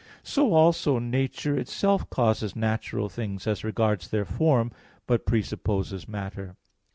So also nature itself causes natural things as regards their form, but presupposes matter.